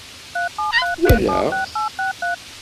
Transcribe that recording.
Wallaɣ-t